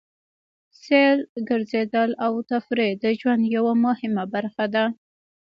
سیل، ګرځېدل او تفرېح د ژوند یوه مهمه برخه ده.